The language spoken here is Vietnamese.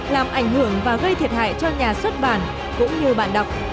làm ảnh hưởng và gây thiệt hại cho nhà xuất bản cũng như bạn đọc